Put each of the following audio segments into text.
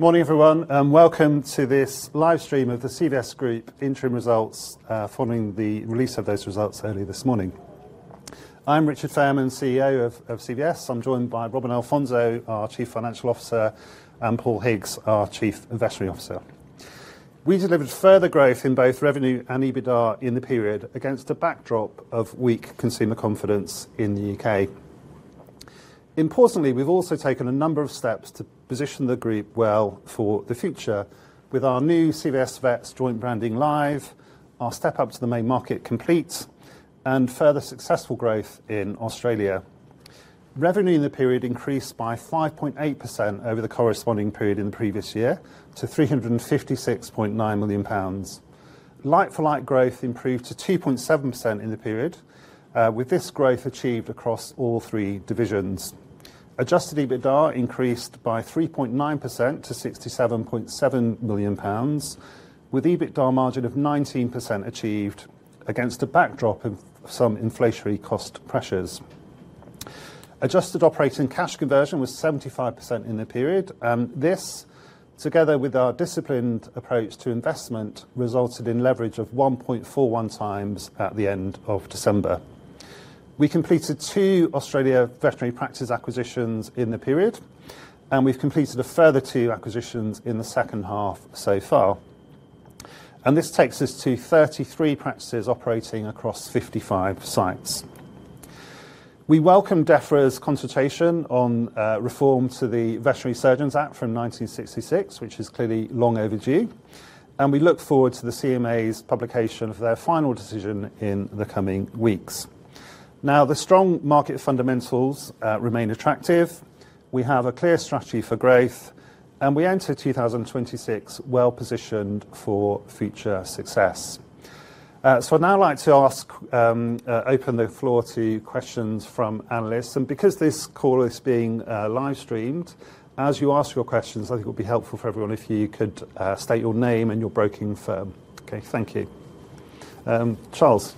Morning, everyone, welcome to this live stream of the CVS Group interim results, following the release of those results early this morning. I'm Richard Fairman, CEO of CVS. I'm joined by Robin Alfonso, our Chief Financial Officer, and Paul Higgs, our Chief Veterinary Officer. We delivered further growth in both revenue and EBITDA in the period against a backdrop of weak consumer confidence in the U.K. Importantly, we've also taken a number of steps to position the group well for the future with our new CVS Vets joint branding live, our step up to the Main Market complete, and further successful growth in Australia. Revenue in the period increased by 5.8% over the corresponding period in the previous year to 356.9 million pounds. Like-for-like growth improved to 2.7% in the period, with this growth achieved across all three divisions. Adjusted EBITDA increased by 3.9% to 67.7 million pounds, with EBITDA margin of 19% achieved against a backdrop of some inflationary cost pressures. Adjusted operating cash conversion was 75% in the period, and this, together with our disciplined approach to investment, resulted in leverage of 1.41x at the end of December. We completed two Australia veterinary practice acquisitions in the period, and we've completed a further two acquisitions in the second half so far, and this takes us to 33 practices operating across 55 sites. We welcome Defra's consultation on reform to the Veterinary Surgeons Act 1966, which is clearly long overdue, and we look forward to the CMA's publication of their final decision in the coming weeks. The strong market fundamentals remain attractive. We have a clear strategy for growth, and we enter 2026 well-positioned for future success. I'd now like to ask, open the floor to questions from analysts, and because this call is being live streamed, as you ask your questions, I think it would be helpful for everyone if you could state your name and your broking firm. Okay, thank you. Charles?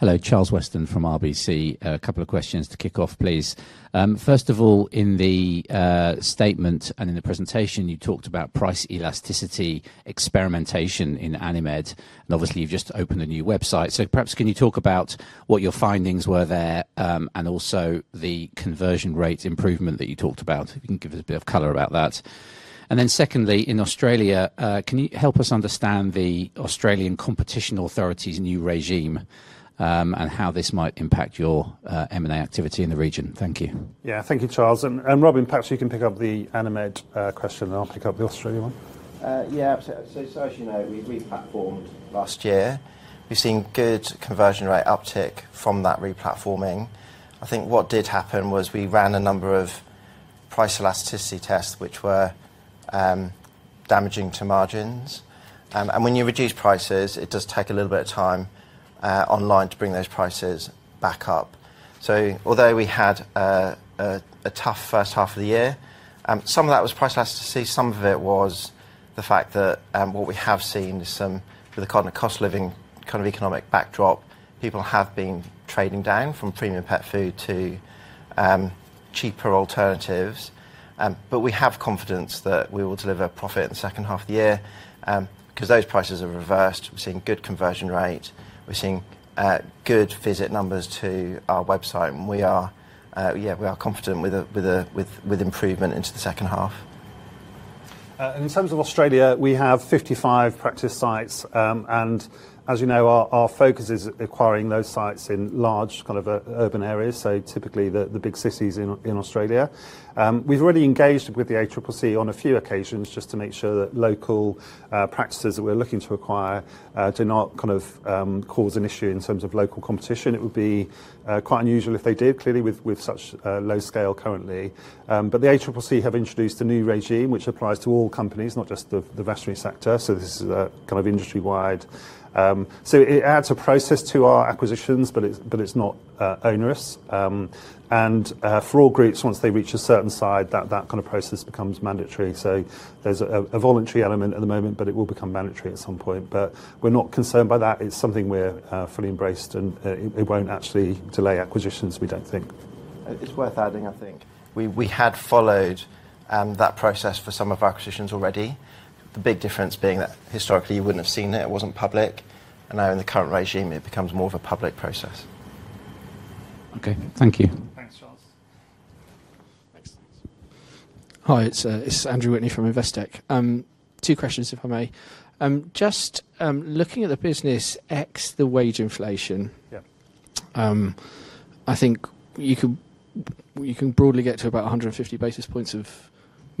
Hello, Charles Weston from RBC. A couple of questions to kick off, please. First of all, in the statement and in the presentation, you talked about price elasticity, experimentation in Animed, and obviously, you've just opened a new website. Perhaps can you talk about what your findings were there, and also the conversion rate improvement that you talked about? If you can give us a bit of color about that. Secondly, in Australia, can you help us understand the Australian Competition Authority's new regime, and how this might impact your M&A activity in the region? Thank you. Yeah. Thank you, Charles. Robin, perhaps you can pick up the Animed question, and I'll pick up the Australia one. Yeah, as you know, we replatformed last year. We've seen good conversion rate uptick from that replatforming. I think what did happen was we ran a number of price elasticity tests, which were damaging to margins, and when you reduce prices, it does take a little bit of time online to bring those prices back up. Although we had a tough first half of the year, some of that was price elasticity, some of it was the fact that what we have seen is some, for the kind of cost living, kind of economic backdrop, people have been trading down from premium pet food to cheaper alternatives. We have confidence that we will deliver profit in the second half of the year because those prices are reversed. We're seeing good conversion rate. We're seeing good visit numbers to our website, and we are confident with improvement into the second half. In terms of Australia, we have 55 practice sites, and as you know, our focus is acquiring those sites in large kind of urban areas, so typically, the big cities in Australia. We've already engaged with the ACCC on a few occasions just to make sure that local practices that we're looking to acquire do not kind of cause an issue in terms of local competition. It would be quite unusual if they did, clearly, with such low scale currently. The ACCC have introduced a new regime, which applies to all companies, not just the veterinary sector, so this is a kind of industry-wide. It adds a process to our acquisitions, but it's not onerous. For all groups, once they reach a certain size, that kind of process becomes mandatory. There's a voluntary element at the moment, but it will become mandatory at some point. We're not concerned by that. It's something we're fully embraced, and it won't actually delay acquisitions, we don't think. It's worth adding, I think, we had followed that process for some of our acquisitions already. The big difference being that historically, you wouldn't have seen it wasn't public. Now in the current regime, it becomes more of a public process. Okay. Thank you. Thanks, Charles. Thanks. Hi, it's Andrew Whitney from Investec. Two questions, if I may. Just looking at the business ex the wage inflation- Yeah I think you can broadly get to about 150 basis points of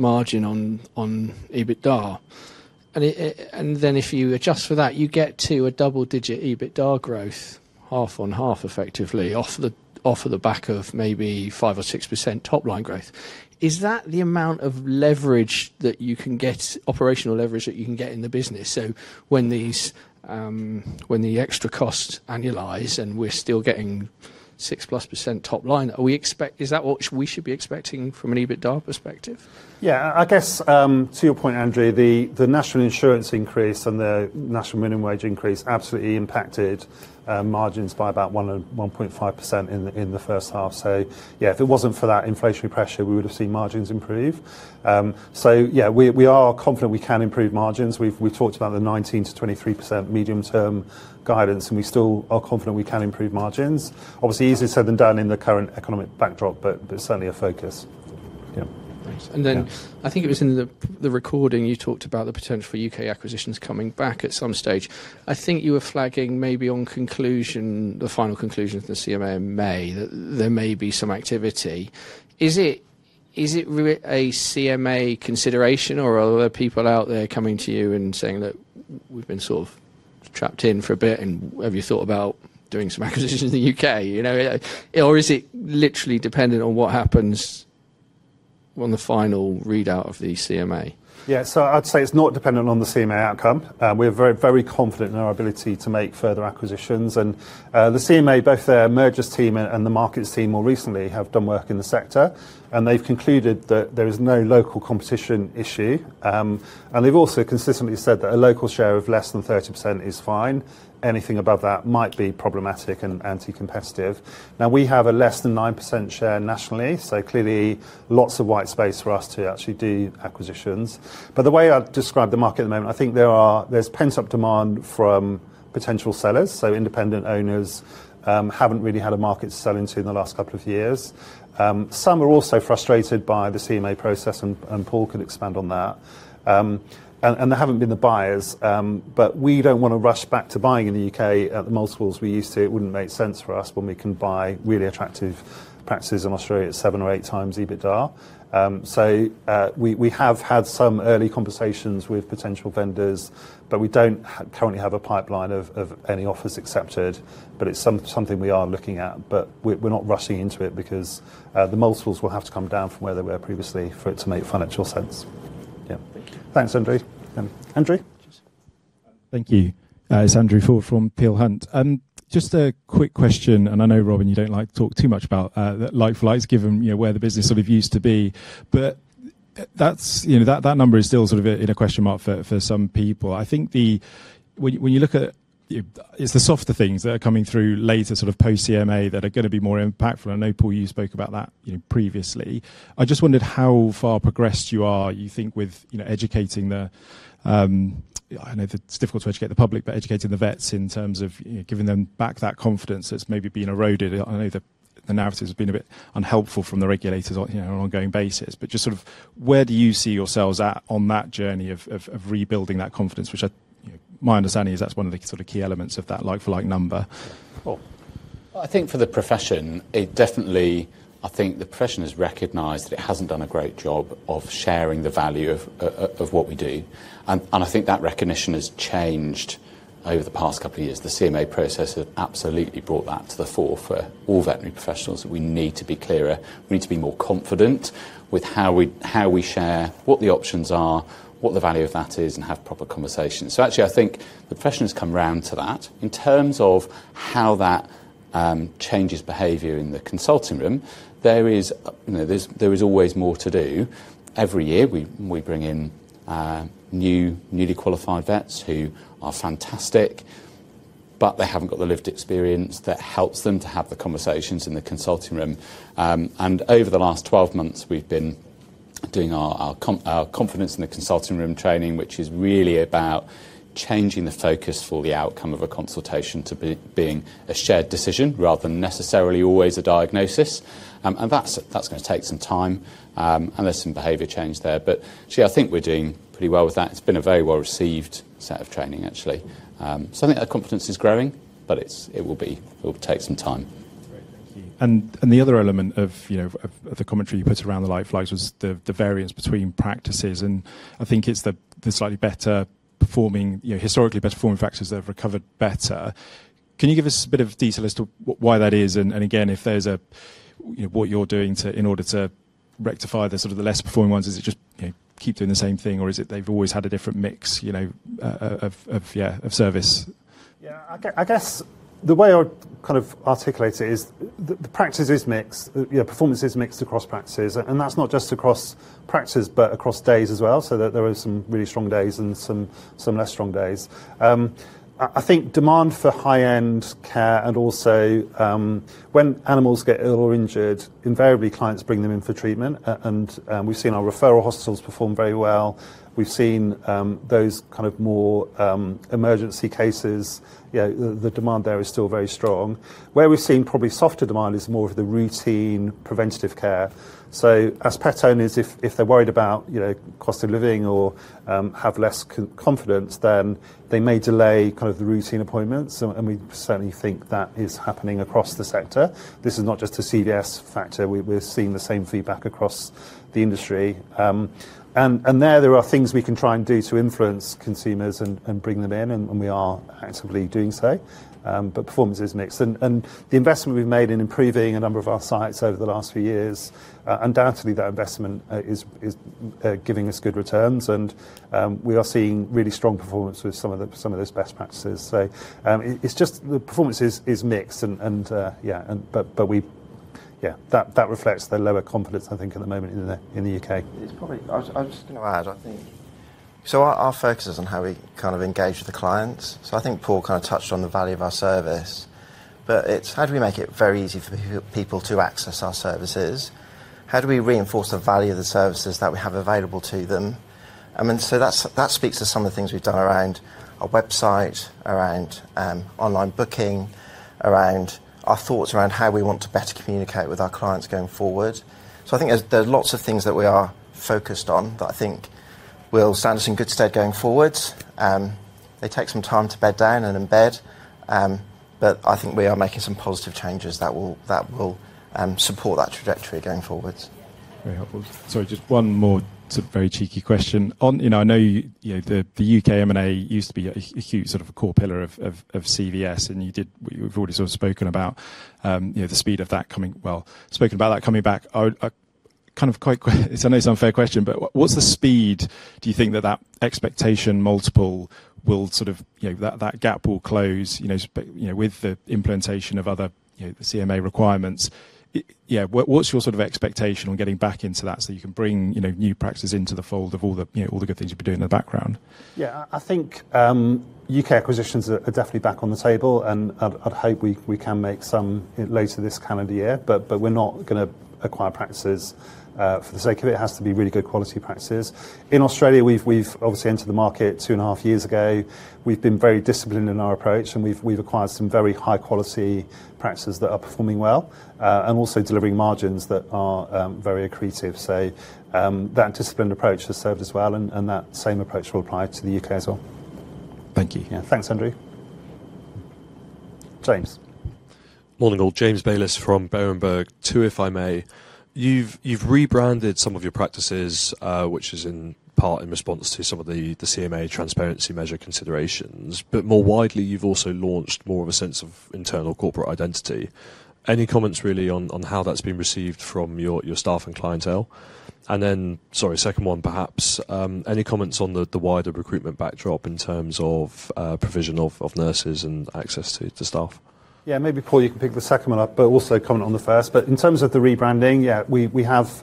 margin on EBITDA. Then if you adjust for that, you get to a double-digit EBITDA growth, half on half, effectively, off of the back of maybe 5% or 6% top line growth. Is that the amount of leverage that you can get, operational leverage that you can get in the business? When the extra costs annualize, and we're still getting 6%+ top line, Is that what we should be expecting from an EBITDA perspective? I guess, to your point, Andrew, the national insurance increase and the national minimum wage increase absolutely impacted margins by about 1% and 1.5% in the first half. If it wasn't for that inflationary pressure, we would have seen margins improve. We are confident we can improve margins. We've talked about the 19%-23% medium-term guidance, and we still are confident we can improve margins. Obviously, easier said than done in the current economic backdrop, but there's certainly a focus. Thanks. I think it was in the recording, you talked about the potential for U.K. acquisitions coming back at some stage. I think you were flagging maybe on conclusion, the final conclusion of the CMA in May, that there may be some activity. Is it really a CMA consideration, or are there people out there coming to you and saying that, "We've been sort of trapped in for a bit, and have you thought about doing some acquisitions in the U.K.?" Is it literally dependent on what happens on the final readout of the CMA? I'd say it's not dependent on the CMA outcome. We're very, very confident in our ability to make further acquisitions. The CMA, both their mergers team and the markets team, more recently, have done work in the sector, and they've concluded that there is no local competition issue. They've also consistently said that a local share of less than 30% is fine. Anything above that might be problematic and anti-competitive. We have a less than 9% share nationally, so clearly, lots of white space for us to actually do acquisitions. The way I'd describe the market at the moment, I think there's pent-up demand from potential sellers, so independent owners, haven't really had a market to sell into in the last couple of years. Some are also frustrated by the CMA process, and Paul can expand on that. There haven't been the buyers, we don't want to rush back to buying in the U.K. at the multiples we used to. It wouldn't make sense for us when we can buy really attractive practices in Australia at 7x or 8x EBITDA. We have had some early conversations with potential vendors, but we don't currently have a pipeline of any offers accepted, it's something we are looking at. We're not rushing into it because the multiples will have to come down from where they were previously for it to make financial sense. Yeah. Thank you. Thanks, Andrew. Andrew? Thank you. It's Andrew Ford from Peel Hunt. Just a quick question, and I know, Robin, you don't like to talk too much about like-for-like, given, you know, where the business sort of used to be. That's, you know, that number is still sort of a question mark for some people. When you look at, it's the softer things that are coming through later, sort of post-CMA, that are gonna be more impactful. I know, Paul, you spoke about that, you know, previously. I just wondered how far progressed you are, you think, with, you know, educating the, I know that it's difficult to educate the public, but educating the vets in terms of, you know, giving them back that confidence that's maybe been eroded. I know the narrative has been a bit unhelpful from the regulators on, you know, an ongoing basis. Just sort of where do you see yourselves at on that journey of rebuilding that confidence? Which I, my understanding is that's one of the sort of key elements of that like-for-like number. I think for the profession, it definitely, I think the profession has recognized that it hasn't done a great job of sharing the value of what we do. I think that recognition has changed over the past couple of years. The CMA process has absolutely brought that to the fore for all veterinary professionals, that we need to be clearer, we need to be more confident with how we, how we share, what the options are, what the value of that is, and have proper conversations. Actually, I think the profession has come round to that. In terms of how that changes behavior in the consulting room, there is, you know, there is always more to do. Every year, we bring in new, newly qualified vets who are fantastic, but they haven't got the lived experience that helps them to have the conversations in the consulting room. Over the last 12 months, we've been doing our confidence in the consulting room training, which is really about changing the focus for the outcome of a consultation to being a shared decision, rather than necessarily always a diagnosis. That's gonna take some time, and there's some behavior change there. Actually, I think we're doing pretty well with that. It's been a very well-received set of training, actually. I think that confidence is growing, but it will take some time. Great. Thank you. And the other element of, you know, of the commentary you put around the like-for-likes was the variance between practices, and I think it's the slightly better performing, you know, historically better performing practices that have recovered better. Can you give us a bit of detail as to why that is? And again, if there's a, you know, what you're doing to, in order to rectify the sort of the less performing ones, is it just, you know, keep doing the same thing, or is it they've always had a different mix, you know, of, yeah, of service? Yeah, I guess the way I would kind of articulate it is the practice is mixed, you know, performance is mixed across practices, and that's not just across practices, but across days as well. There are some really strong days and some less strong days. I think demand for high-end care and also when animals get ill or injured, invariably clients bring them in for treatment, and we've seen our referral hospitals perform very well. We've seen those kind of more emergency cases. You know, the demand there is still very strong. Where we've seen probably softer demand is more of the routine, preventative care. As pet owners, if they're worried about, you know, cost of living or have less confidence, then they may delay kind of the routine appointments, and we certainly think that is happening across the sector. This is not just a CVS factor. We're seeing the same feedback across the industry. There are things we can try and do to influence consumers and bring them in, and we are actively doing so. Performance is mixed. The investment we've made in improving a number of our sites over the last few years, undoubtedly that investment is giving us good returns, and we are seeing really strong performance with some of those best practices. It's just the performance is mixed and, yeah, but we. Yeah, that reflects the lower confidence, I think, at the moment in the U.K. I'm just going to add. Our focus is on how we kind of engage with the clients. I think Paul kind of touched on the value of our service, but it's how do we make it very easy for people to access our services? How do we reinforce the value of the services that we have available to them? That speaks to some of the things we've done around our website, around online booking, around our thoughts around how we want to better communicate with our clients going forward. I think there's lots of things that we are focused on that I think will stand us in good stead going forward. They take some time to bed down and embed, I think we are making some positive changes that will support that trajectory going forward. Very helpful. Sorry, just one more sort of very cheeky question. You know, I know, you know, the U.K. M&A used to be a huge sort of core pillar of CVS, you've already sort of spoken about, you know, the speed of that coming back. I would kind of quite quick, I know it's an unfair question, what's the speed do you think that expectation multiple will sort of, you know, that gap will close, you know, with the implementation of other, you know, the CMA requirements? Yeah, what's your sort of expectation on getting back into that so you can bring, you know, new practices into the fold of all the good things you've been doing in the background? Yeah, I think U.K. acquisitions are definitely back on the table, and I'd hope we can make some later this calendar year, but we're not gonna acquire practices for the sake of it. It has to be really good quality practices. In Australia, we've obviously entered the market two and a half years ago. We've been very disciplined in our approach, and we've acquired some very high-quality practices that are performing well, and also delivering margins that are very accretive. That disciplined approach has served us well, and that same approach will apply to the U.K. as well. Thank you. Yeah. Thanks, Andrew. James? Morning, all. James Bayliss from Berenberg. Two, if I may. You've rebranded some of your practices, which is in part in response to some of the CMA transparency measure considerations, but more widely, you've also launched more of a sense of internal corporate identity. Any comments really on how that's been received from your staff and clientele? Sorry, second one, perhaps, any comments on the wider recruitment backdrop in terms of provision of nurses and access to staff? Yeah, maybe, Paul, you can pick the second one up, but also comment on the first. In terms of the rebranding, yeah, we have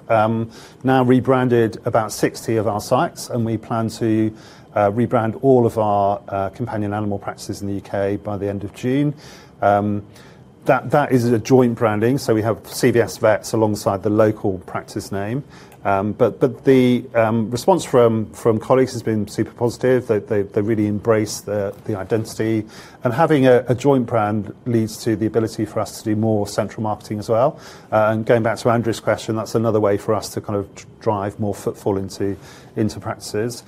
now rebranded about 60 of our sites, and we plan to rebrand all of our companion animal practices in the U.K. by the end of June. That is a joint branding, so we have CVS Vets alongside the local practice name. The response from colleagues has been super positive. They really embrace the identity, and having a joint brand leads to the ability for us to do more central marketing as well. Going back to Andrew's question, that's another way for us to kind of drive more footfall into practices.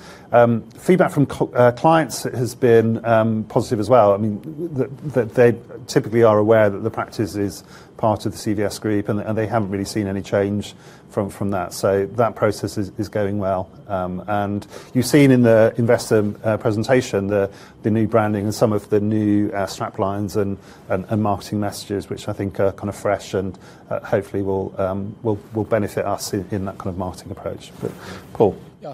Feedback from clients has been positive as well. I mean, they typically are aware that the practice is part of the CVS Group, and they haven't really seen any change from that. That process is going well. And you've seen in the investor presentation the new branding and some of the new strap lines and marketing messages, which I think are kind of fresh and hopefully will benefit us in that kind of marketing approach. Paul? Yeah,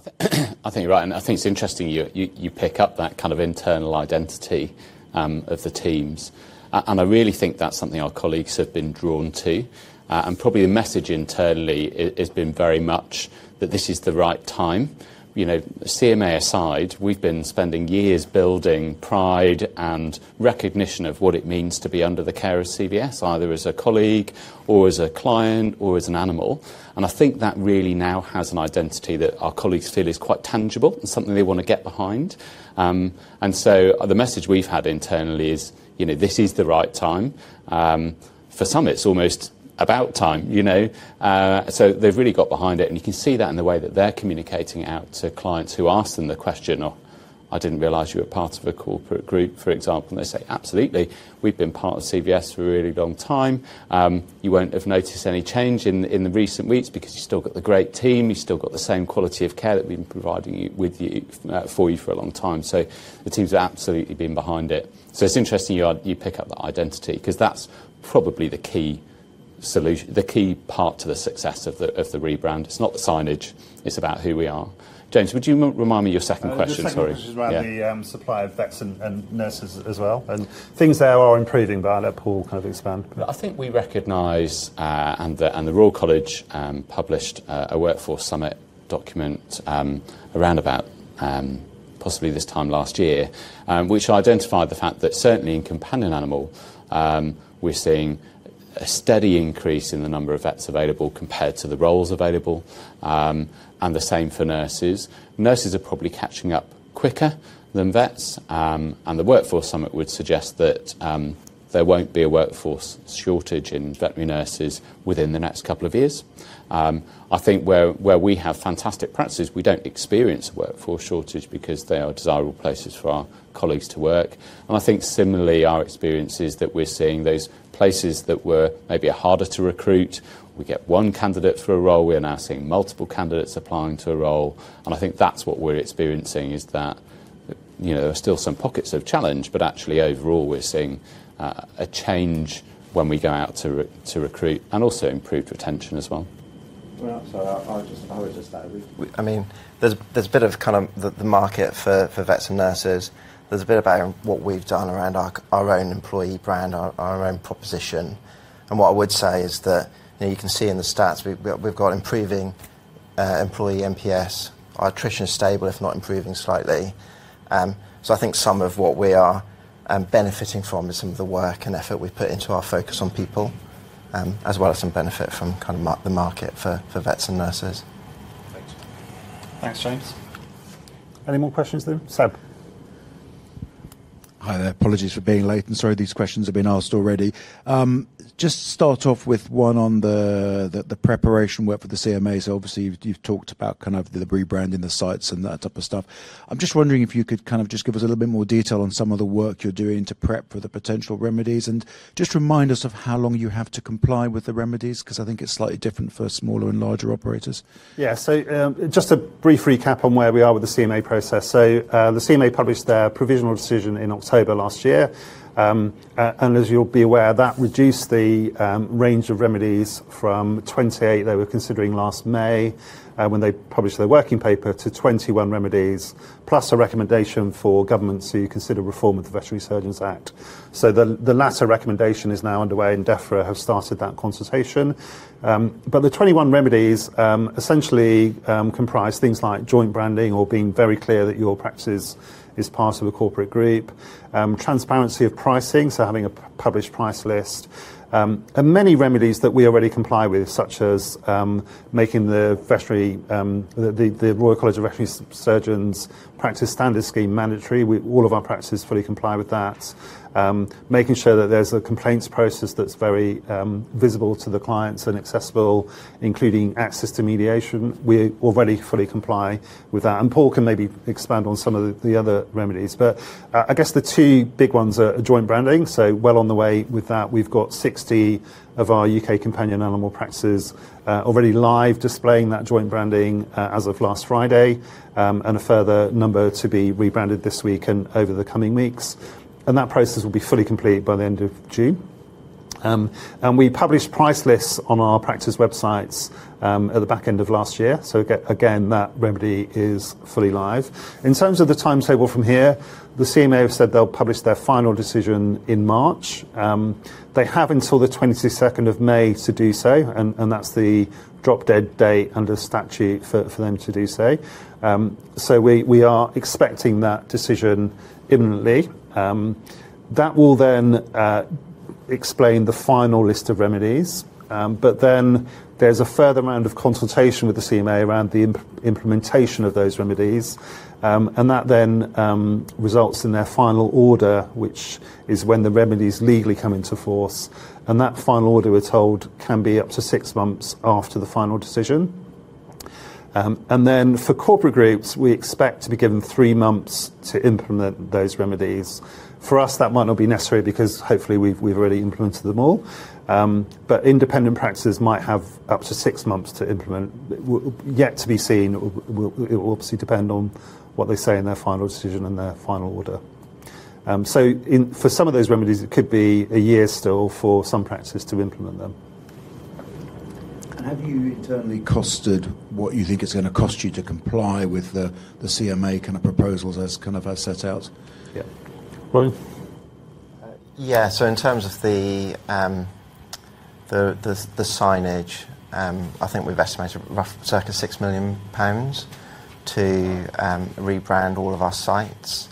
I think you're right, and I think it's interesting you pick up that kind of internal identity of the teams. I really think that's something our colleagues have been drawn to. Probably the message internally has been very much that this is the right time. You know, CMA aside, we've been spending years building pride and recognition of what it means to be under the care of CVS, either as a colleague or as a client or as an animal, and I think that really now has an identity that our colleagues feel is quite tangible and something they want to get behind. So the message we've had internally is, you know, this is the right time. For some, it's almost about time, you know? They've really got behind it, and you can see that in the way that they're communicating out to clients who ask them the question, "Oh, I didn't realize you were part of a corporate group," for example, and they say, "Absolutely. We've been part of CVS for a really long time. You won't have noticed any change in the recent weeks because you've still got the great team, you've still got the same quality of care that we've been providing you, with you, for you for a long time." The team's absolutely been behind it. It's interesting you pick up that identity, 'cause that's probably the key part to the success of the rebrand. It's not the signage, it's about who we are. James, would you remind me of your second question? Sorry. The second question is around the supply of vets and nurses as well, and things there are improving, but I'll let Paul kind of expand. I think we recognize, and the Royal College published a Workforce Summit document around about possibly this time last year, which identified the fact that certainly in companion animal, we're seeing a steady increase in the number of vets available compared to the roles available, and the same for nurses. Nurses are probably catching up quicker than vets, and the Workforce Summit would suggest that there won't be a workforce shortage in veterinary nurses within the next couple of years. I think where we have fantastic practices, we don't experience a workforce shortage because they are desirable places for our colleagues to work. I think similarly, our experience is that we're seeing those places that were maybe are harder to recruit, we get 1 candidate for a role, we're now seeing multiple candidates applying to a role, and I think that's what we're experiencing, is that, you know, there are still some pockets of challenge, but actually overall, we're seeing a change when we go out to recruit and also improved retention as well. I would just add, we I mean, there's a bit of kind of the market for vets and nurses. There's a bit about what we've done around our own employee brand, our own proposition. What I would say is that, you know, you can see in the stats, we've got improving employee NPS. Our attrition is stable, if not improving slightly. So I think some of what we are benefiting from is some of the work and effort we've put into our focus on people, as well as some benefit from kind of the market for vets and nurses. Thanks. Thanks, James. Any more questions? Seb. Hi there. Apologies for being late. Sorry, these questions have been asked already. Just start off with one on the preparation work for the CMA. Obviously, you've talked about kind of the rebranding the sites and that type of stuff. I'm just wondering if you could kind of just give us a little bit more detail on some of the work you're doing to prep for the potential remedies, just remind us of how long you have to comply with the remedies, 'cause I think it's slightly different for smaller and larger operators. Just a brief recap on where we are with the CMA process. The CMA published their provisional decision in October last year. And as you'll be aware, that reduced the range of remedies from 28 they were considering last May, when they published their working paper, to 21 remedies, plus a recommendation for government to consider reform of the Veterinary Surgeons Act. The latter recommendation is now underway, and DEFRA have started that consultation. But the 21 remedies essentially comprise things like joint branding or being very clear that your practice is part of a corporate group. Transparency of pricing, so having a published price list. And many remedies that we already comply with, such as making the Royal College of Veterinary Surgeons' Practice Standards Scheme mandatory. All of our practices fully comply with that. Making sure that there's a complaints process that's very visible to the clients and accessible, including access to mediation. We already fully comply with that. Paul can maybe expand on some of the other remedies. I guess the two big ones are joint branding, so well on the way with that. We've got 60 of our U.K. companion animal practices already live, displaying that joint branding as of last Friday, and a further number to be rebranded this week and over the coming weeks, and that process will be fully complete by the end of June. We published price lists on our practice websites at the back end of last year, again, that remedy is fully live. In terms of the timetable from here, the CMA have said they'll publish their final decision in March. They have until the 22nd of May to do so, and that's the drop-dead date under statute for them to do so. We are expecting that decision imminently. That will then explain the final list of remedies. Then there's a further round of consultation with the CMA around the implementation of those remedies, and that then results in their final order, which is when the remedies legally come into force, and that final order, we're told, can be up to 6 months after the final decision. Then for corporate groups, we expect to be given 3 months to implement those remedies. For us, that might not be necessary because hopefully, we've already implemented them all. Independent practices might have up to 6 months to implement. Yet to be seen. It will obviously depend on what they say in their final decision and their final order. In, for some of those remedies, it could be a year still for some practices to implement them. Have you internally costed what you think it's gonna cost you to comply with the CMA kind of proposals as set out? Yeah. Robin? Yeah. In terms of the signage, I think we've estimated rough, circa 6 million pounds to rebrand all of our sites.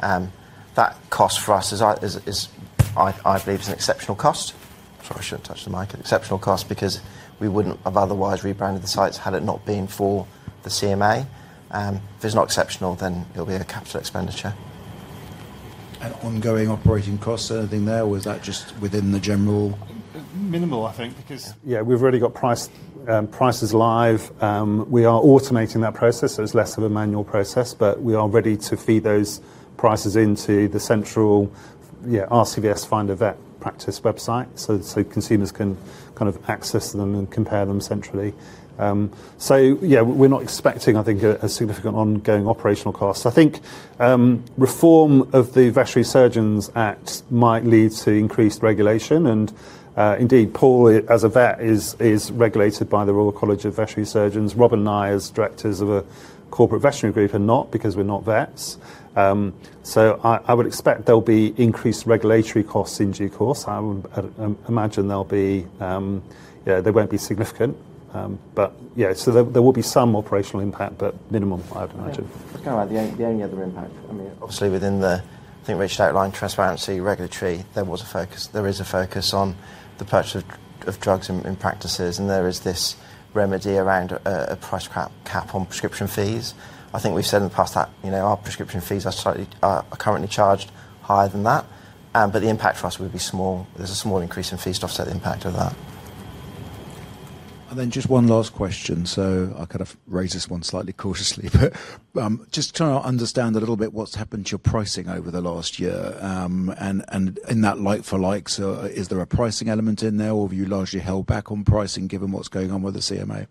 That cost for us is, I believe, is an exceptional cost. Sorry, I shouldn't touch the mic. Exceptional cost because we wouldn't have otherwise rebranded the sites had it not been for the CMA. If it's not exceptional, then it'll be a capital expenditure. Ongoing operating costs, anything there, or is that just within the general- Minimal, I think. Yeah, we've already got price, prices live. We are automating that process, so it's less of a manual process. We are ready to feed those prices into the central, yeah, RCVS Find a Vet practice website, so consumers can kind of access them and compare them centrally. Yeah, we're not expecting, I think, a significant ongoing operational cost. I think, reform of the Veterinary Surgeons Act might lead to increased regulation, and indeed, Paul, as a vet, is regulated by the Royal College of Veterinary Surgeons. Rob and I, as directors of a corporate veterinary group, are not, because we're not vets. I would expect there'll be increased regulatory costs in due course. I would imagine there'll be, yeah, they won't be significant. There will be some operational impact, but minimum, I would imagine. Kind of the only other impact, I mean, obviously within the, I think we outlined transparency, regulatory. There was a focus. There is a focus on the purchase of drugs in practices, and there is this remedy around a price cap on prescription fees. I think we've said in the past that, you know, our prescription fees are slightly, are currently charged higher than that, but the impact for us would be small. There's a small increase in fees to offset the impact of that. Just 1 last question. I'll kind of raise this 1 slightly cautiously, but, just trying to understand a little bit what's happened to your pricing over the last year. In that like-for-likes, is there a pricing element in there, or have you largely held back on pricing, given what's going on with the CMA?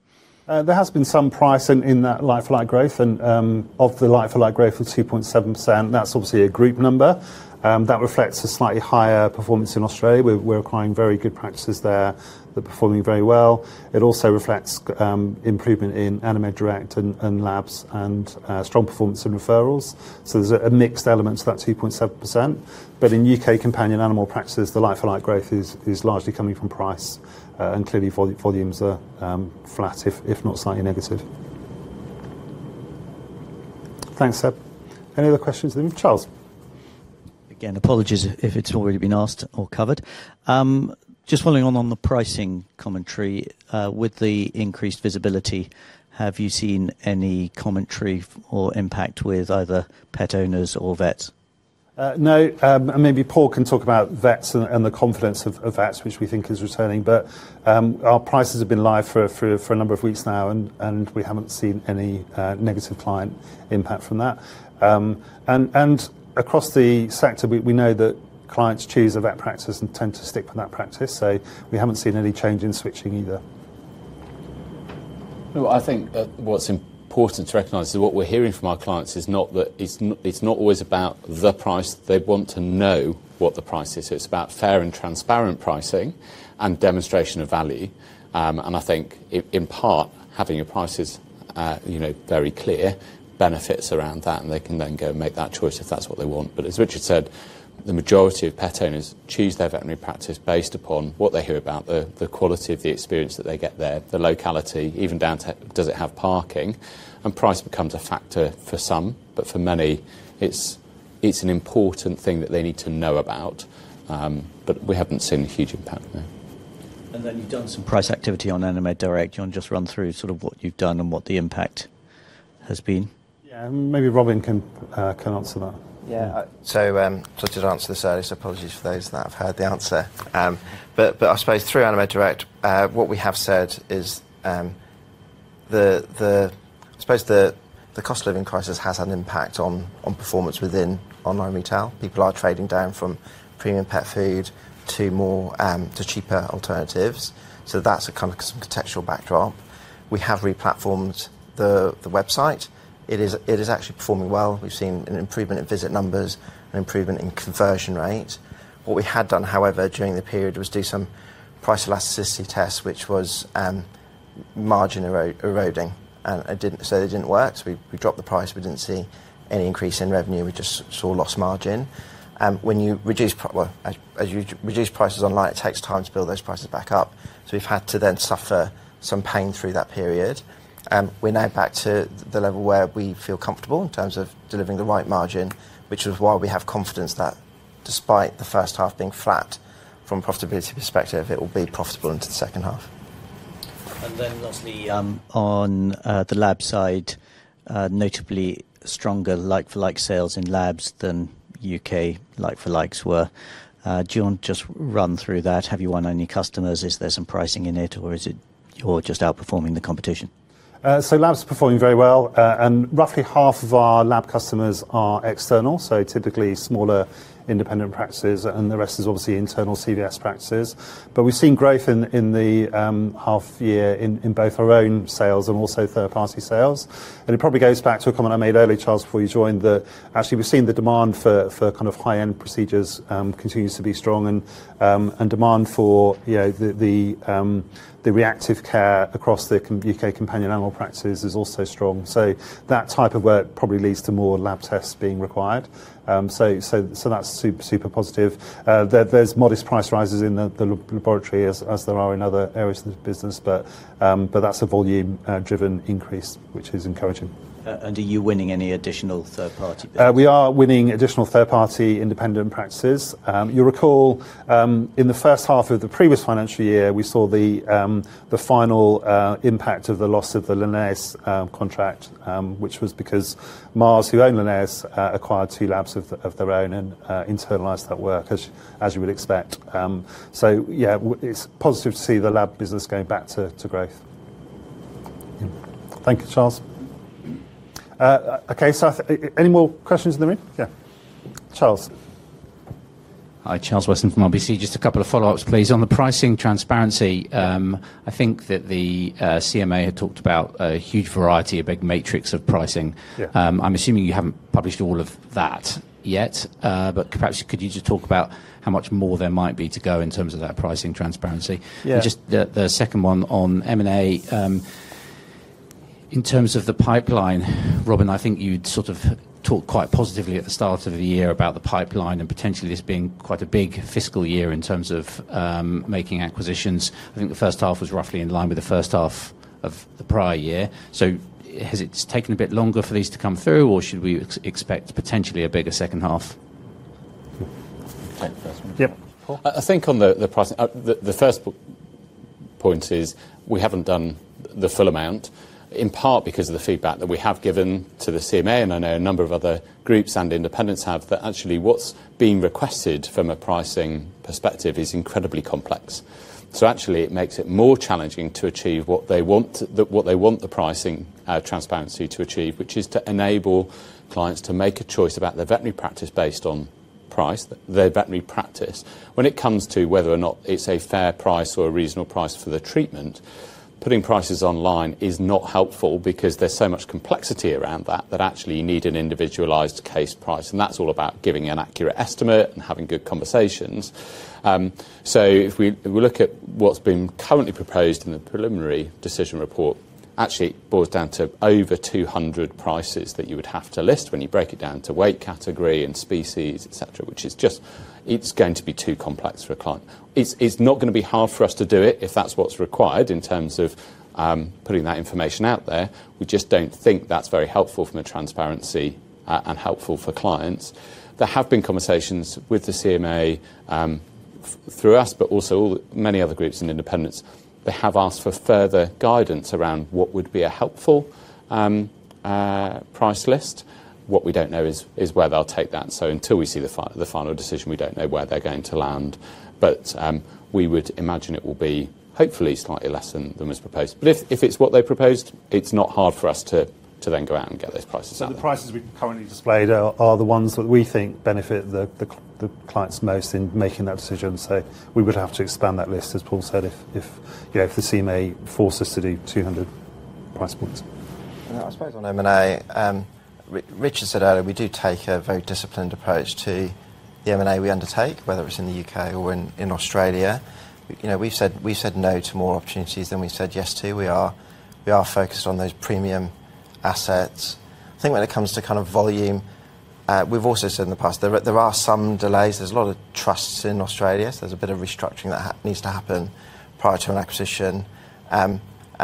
There has been some pricing in that like-for-like growth and of the like-for-like growth of 2.7%, that's obviously a group number. That reflects a slightly higher performance in Australia, where we're acquiring very good practices there. They're performing very well. It also reflects improvement in Animed Direct and labs and strong performance in referrals. There's a mixed element to that 2.7%. In U.K. companion animal practices, the like-for-like growth is largely coming from price. Clearly, volumes are flat, if not slightly negative. Thanks, Seb. Any other questions then? Charles. Apologies if it's already been asked or covered. Just following on the pricing commentary, with the increased visibility, have you seen any commentary or impact with either pet owners or vets? No. Maybe Paul can talk about vets and the confidence of vets, which we think is returning. Our prices have been live for a number of weeks now, we haven't seen any negative client impact from that. Across the sector, we know that clients choose a vet practice and tend to stick with that practice, so we haven't seen any change in switching either. No, I think that what's important to recognize is what we're hearing from our clients is not always about the price. They want to know what the price is. It's about fair and transparent pricing and demonstration of value. I think in part, having your prices, you know, very clear, benefits around that, and they can then go make that choice if that's what they want. As Richard said, the majority of pet owners choose their veterinary practice based upon what they hear about the quality of the experience that they get there, the locality, even down to, does it have parking? Price becomes a factor for some, but for many, it's an important thing that they need to know about. We haven't seen a huge impact, no. You've done some price activity on Animed Direct. Do you want to just run through sort of what you've done and what the impact has been? Yeah, maybe Robin can answer that. Just to answer this, apologies for those that have heard the answer. I suppose through Animed Direct, what we have said is, I suppose the cost of living crisis has had an impact on performance within online retail. People are trading down from premium pet food to more to cheaper alternatives. That's a kind of some contextual backdrop. We have replatformed the website. It is actually performing well. We've seen an improvement in visit numbers and improvement in conversion rate. What we had done, however, during the period, was do some price elasticity tests, which was margin eroding, and it didn't, it didn't work. We dropped the price, we didn't see any increase in revenue. We just saw a loss margin. Well, as you reduce prices online, it takes time to build those prices back up. We've had to then suffer some pain through that period, and we're now back to the level where we feel comfortable in terms of delivering the right margin, which is why we have confidence that despite the first half being flat from a profitability perspective, it will be profitable into the second half. Lastly, on the lab side, notably stronger like-for-like sales in labs than U.K. like-for-likes were. Do you want to just run through that? Have you won any customers? Is there some pricing in it, or is it all just outperforming the competition? Lab's performing very well, and roughly half of our lab customers are external, so typically smaller independent practices, and the rest is obviously internal CVS practices. We've seen growth in the half year in both our own sales and also third-party sales. It probably goes back to a comment I made earlier, Charles, before you joined, that actually, we've seen the demand for kind of high-end procedures, continues to be strong and demand for, you know, the reactive care across the U.K. companion animal practices is also strong. That type of work probably leads to more lab tests being required. That's super positive. There's modest price rises in the laboratory as there are in other areas of the business, but that's a volume driven increase, which is encouraging. Are you winning any additional third-party business? We are winning additional third-party independent practices. You recall, in the first half of the previous financial year, we saw the final impact of the loss of the Linnaeus contract, which was because Mars, who own Linnaeus, acquired two labs of their own and internalized that work as you would expect. Yeah, it's positive to see the lab business going back to growth. Thank you, Charles. Okay, any more questions in the room? Yeah, Charles. Hi, Charles Weston from RBC. Just a couple of follow-ups, please. On the pricing transparency, I think that the CMA had talked about a huge variety, a big matrix of pricing. Yeah. I'm assuming you haven't published all of that yet, but perhaps could you just talk about how much more there might be to go in terms of that pricing transparency? Yeah. Just the second one on M&A. In terms of the pipeline, Robin, I think you'd sort of talked quite positively at the start of the year about the pipeline and potentially this being quite a big fiscal year in terms of making acquisitions. I think the first half was roughly in line with the first half of the prior year. Has it taken a bit longer for these to come through, or should we expect potentially a bigger second half? I'll take the first one. Yep. I think on the price. The first point is, we haven't done the full amount, in part, because of the feedback that we have given to the CMA, and I know a number of other groups and independents have, that actually what's being requested from a pricing perspective is incredibly complex. Actually, it makes it more challenging to achieve what they want, what they want the pricing transparency to achieve, which is to enable clients to make a choice about their veterinary practice based on price, their veterinary practice. When it comes to whether or not it's a fair price or a reasonable price for the treatment, putting prices online is not helpful because there's so much complexity around that actually you need an individualized case price, and that's all about giving an accurate estimate and having good conversations. If we look at what's been currently proposed in the preliminary decision report, actually it boils down to over 200 prices that you would have to list when you break it down to weight category and species, et cetera, which is just, it's going to be too complex for a client. It's not gonna be hard for us to do it, if that's what's required, in terms of putting that information out there. We just don't think that's very helpful from a transparency and helpful for clients. There have been conversations with the CMA through us, but also many other groups and independents. They have asked for further guidance around what would be a helpful price list. What we don't know is where they'll take that. Until we see the final decision, we don't know where they're going to land. We would imagine it will be hopefully slightly less than was proposed. If it's what they proposed, it's not hard for us to then go out and get those prices out. The prices we've currently displayed are the ones that we think benefit the clients most in making that decision. We would have to expand that list, as Paul said, if the CMA forces us to do 200 price points. I suppose on M&A, Richard said earlier, we do take a very disciplined approach to the M&A we undertake, whether it's in the U.K. or in Australia. You know, we've said no to more opportunities than we said yes to. We are focused on those premium assets. I think when it comes to kind of volume, we've also said in the past, there are some delays. There's a lot of trusts in Australia, so there's a bit of restructuring that needs to happen prior to an acquisition. You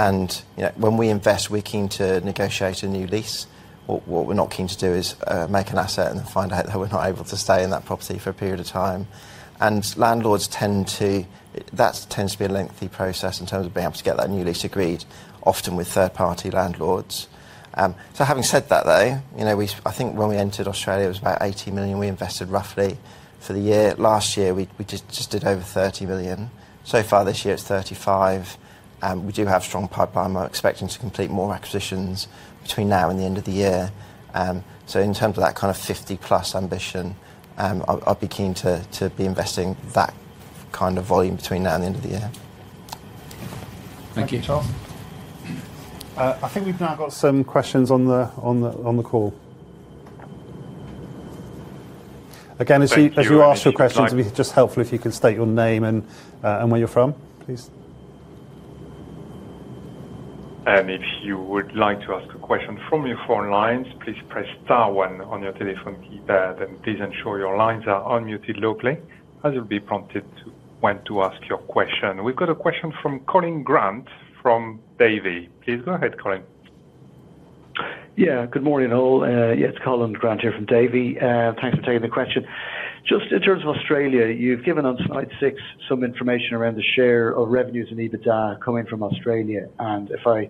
know, when we invest, we're keen to negotiate a new lease. What we're not keen to do is make an asset and find out that we're not able to stay in that property for a period of time. Landlords tend to, that tends to be a lengthy process in terms of being able to get that new lease agreed, often with third-party landlords. Having said that, though, you know, I think when we entered Australia, it was about 80 million. We invested roughly for the year. Last year, we just did over 30 billion. So far this year, it's 35 billion. We do have strong pipeline. We're expecting to complete more acquisitions between now and the end of the year. In terms of that kind of 50+ ambition, I'll be keen to be investing that kind of volume between now and the end of the year. Thank you, Charles. I think we've now got some questions on the call. As you ask your questions, it'd be just helpful if you can state your name and where you're from, please. If you would like to ask a question from your phone lines, please press star one on your telephone keypad, and please ensure your lines are unmuted locally, as you'll be prompted to when to ask your question. We've got a question from Colin Grant from Davy. Please go ahead, Colin. Yeah, good morning, all. Yeah, it's Colin Grant here from Davy. Thanks for taking the question. Just in terms of Australia, you've given on slide six some information around the share of revenues and EBITDA coming from Australia, and if I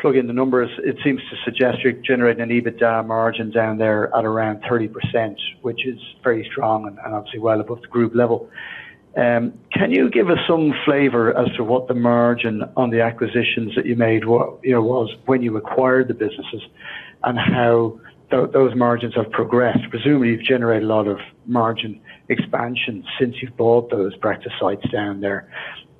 plug in the numbers, it seems to suggest you're generating an EBITDA margin down there at around 30%, which is very strong and obviously well above the group level. Can you give us some flavor as to what the margin on the acquisitions that you made, what, you know, was when you acquired the businesses, and how those margins have progressed? Presumably, you've generated a lot of margin expansion since you've bought those practice sites down there.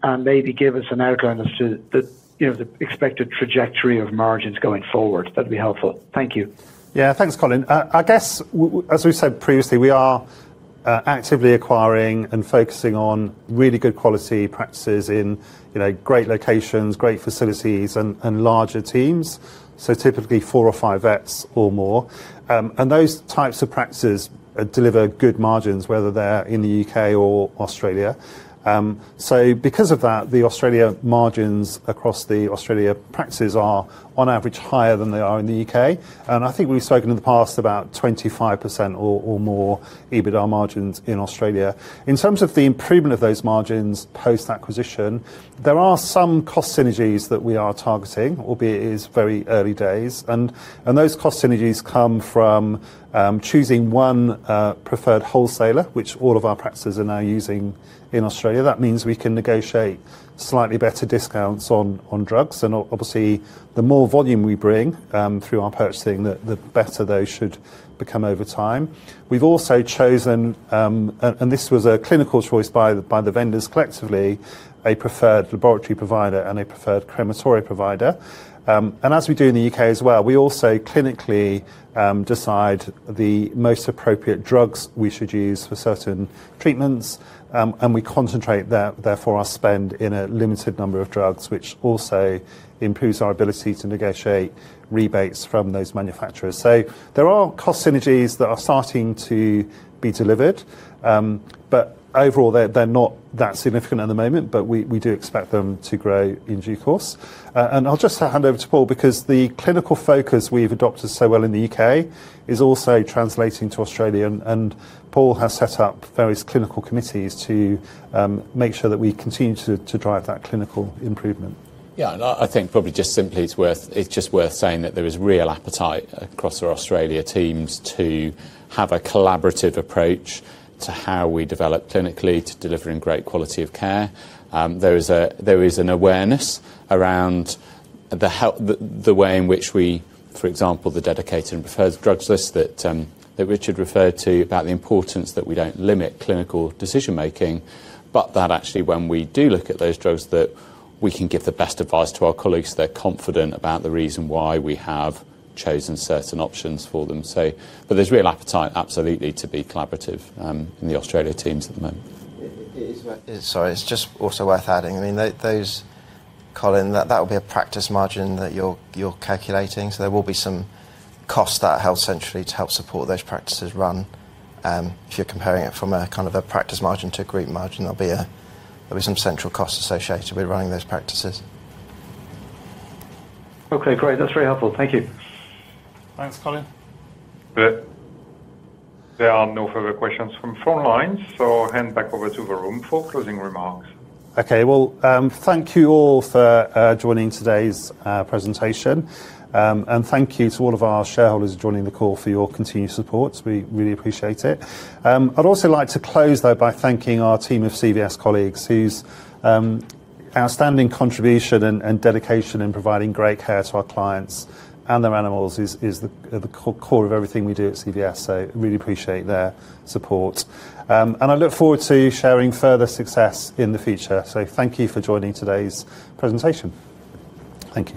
Maybe give us an outline as to the, you know, the expected trajectory of margins going forward. That'd be helpful. Thank you. Thanks, Colin. I guess as we said previously, we are actively acquiring and focusing on really good quality practices in, you know, great locations, great facilities, and larger teams, so typically four or five vets or more. Those types of practices deliver good margins, whether they're in the U.K. or Australia. Because of that, the Australia margins across the Australia practices are, on average, higher than they are in the U.K., and I think we've spoken in the past about 25% or more EBITDA margins in Australia. In terms of the improvement of those margins post-acquisition, there are some cost synergies that we are targeting, albeit it is very early days, and those cost synergies come from choosing 1 preferred wholesaler, which all of our practices are now using in Australia. That means we can negotiate slightly better discounts on drugs, obviously, the more volume we bring through our purchasing, the better those should become over time. We've also chosen. This was a clinical choice by the vendors collectively, a preferred laboratory provider and a preferred crematory provider. As we do in the U.K. as well, we also clinically decide the most appropriate drugs we should use for certain treatments, and we concentrate therefore our spend in a limited number of drugs, which also improves our ability to negotiate rebates from those manufacturers. There are cost synergies that are starting to be delivered, but overall, they're not that significant at the moment, but we do expect them to grow in due course. I'll just hand over to Paul, because the clinical focus we've adopted so well in the U.K. is also translating to Australia, and Paul has set up various clinical committees to make sure that we continue to drive that clinical improvement. I think probably just simply it's just worth saying that there is real appetite across our Australia teams to have a collaborative approach to how we develop clinically to delivering great quality of care. There is an awareness around the way in which we, for example, the dedicated and preferred drugs list that Richard referred to, about the importance that we don't limit clinical decision-making, but that actually, when we do look at those drugs, that we can give the best advice to our colleagues. They're confident about the reason why we have chosen certain options for them, so. There's real appetite, absolutely, to be collaborative, in the Australia teams at the moment. Sorry, it's just also worth adding, I mean, those, Colin, that would be a practice margin that you're calculating, so there will be some cost at held centrally to help support those practices run. If you're comparing it from a kind of a practice margin to a group margin, there'll be some central costs associated with running those practices. Okay, great. That's very helpful. Thank you. Thanks, Colin. Good. There are no further questions from phone lines. I'll hand back over to the room for closing remarks. Okay. Well, thank you all for joining today's presentation. Thank you to all of our shareholders joining the call for your continued support. We really appreciate it. I'd also like to close, though, by thanking our team of CVS colleagues, whose outstanding contribution and dedication in providing great care to our clients and their animals is the core of everything we do at CVS, so really appreciate their support. I look forward to sharing further success in the future. Thank you for joining today's presentation. Thank you.